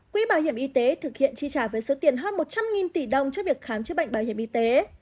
quỹ bảo hiểm y tế thực hiện chi trả với số tiền hơn một trăm linh tỷ đồng cho việc khám chữa bệnh bảo hiểm y tế